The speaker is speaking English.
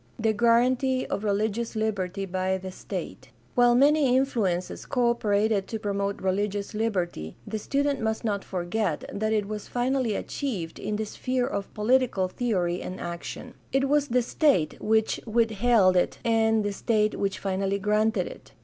The guaranty of religious liberty by the state. — While many influences co operated to promote religious liberty, the student must not forget that it was finally achieved in the sphere of political theory and action. It was the state which withheld it and the state which finally granted it.